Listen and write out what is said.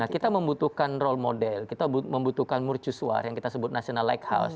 kita membutuhkan role model kita membutuhkan mercusuar yang kita sebut national lighthouse